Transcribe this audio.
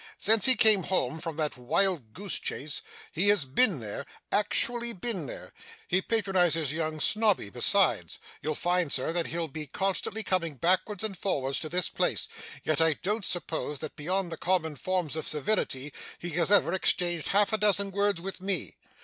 Since he came home from that wild goose chase, he has been there actually been there. He patronises young Snobby besides; you'll find, Sir, that he'll be constantly coming backwards and forwards to this place: yet I don't suppose that beyond the common forms of civility, he has ever exchanged half a dozen words with me.